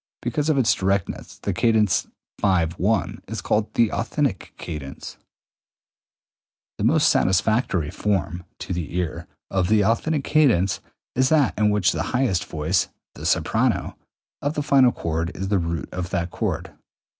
Because of its directness the cadence V I is called the authentic cadence. 204. The most satisfactory form (to the ear) of the authentic cadence is that in which the highest voice (the soprano) of the final chord is the root of that chord.